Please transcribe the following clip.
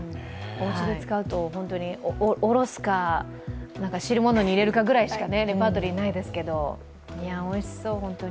おうちで使うと本当におろすか、汁物に入れるかぐらいしか、レパートリーはないですけど、おいしそう、ホントに。